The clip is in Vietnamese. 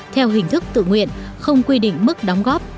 theo hình thức tự nguyện không quy định mức đóng góp